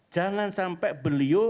jangan sampai beliau